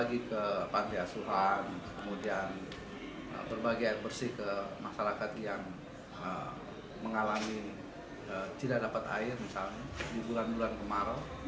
lagi ke pantai asuhan kemudian berbagai air bersih ke masyarakat yang mengalami tidak dapat air misalnya di bulan bulan kemarau